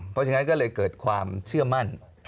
เพราะฉะนั้นก็เลยเกิดความเชื่อมั่น